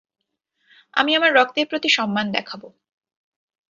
আমি আমার রক্তের প্রতি সম্মান দেখাবো।